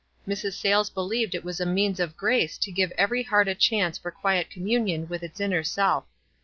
Mrs. Sayles believed it was a means of grace to give every heart a chance for quiet communion with its inner self.